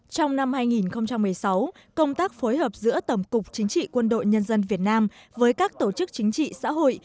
trong năm hai nghìn một mươi sáu công tác phối hợp giữa tầm cục chính trị quân đội nhân dân việt nam với các tổ chức chính trị xã hội